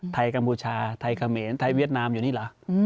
กัมพูชาไทยเขมรไทยเวียดนามอยู่นี่เหรอ